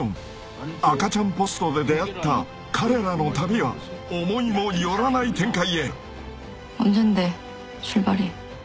［赤ちゃんポストで出会った彼らの旅は思いも寄らない展開へ］